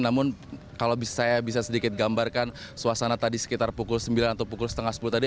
namun kalau saya bisa sedikit gambarkan suasana tadi sekitar pukul sembilan atau pukul setengah sepuluh tadi